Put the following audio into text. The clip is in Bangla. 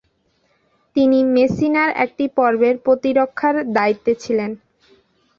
তিনি মেসিনার একটি পর্বের প্রতিরক্ষার দায়িত্বে ছিলেন।